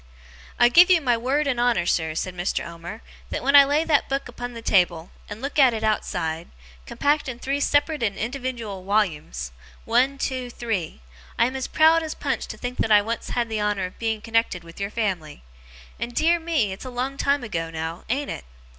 'I give you my word and honour, sir,' said Mr. Omer, 'that when I lay that book upon the table, and look at it outside; compact in three separate and indiwidual wollumes one, two, three; I am as proud as Punch to think that I once had the honour of being connected with your family. And dear me, it's a long time ago, now, ain't it?